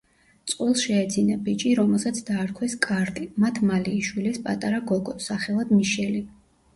წყვილს შეეძინა ბიჭი, რომელსაც დაარქვეს კარლი, მათ მალე იშვილეს პატარა გოგო, სახელად მიშელი.